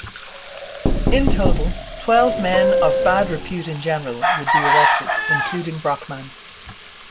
In total twelve men "of bad repute in general" would be arrested, including Brockman.